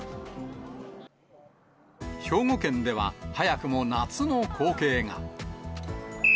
兵庫県では、早くも夏の光景が。